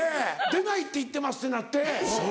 出ないって言ってますってなって。